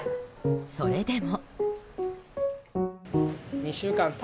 それでも。